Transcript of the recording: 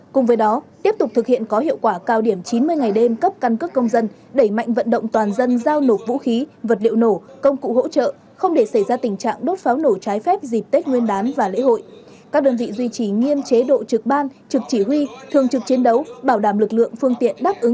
cùng với đó tiếp tục thực hiện có hiệu quả cao điểm chín mươi ngày đêm cấp căn cức công dân đẩy mạnh vận động toàn dân giao nộp vũ khí vật liệu nổ công cụ hỗ trợ không để xảy ra tình trạng đốt pháo nổ trái phép dịp tết nguyên đán và lễ hội